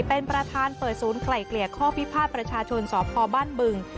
เป็นประธานเปิดศูนย์ไกล่เกลี่ยข้อพิพาทประชาชนสพบ้านบึง